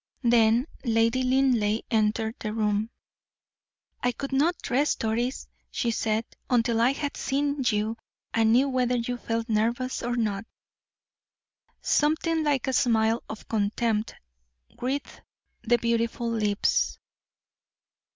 Then Lady Linleigh entered the room. "I could not rest, Doris," she said, "until I had seen you, and knew whether you felt nervous or not." Something like a smile of contempt wreathed the beautiful lips.